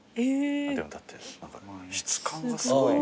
でもだって質感がすごい。